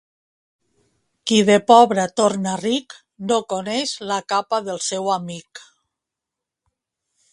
Qui de pobre torna ric no coneix la capa del seu amic.